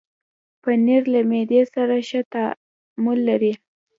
پنېر له معدې سره ښه تعامل لري.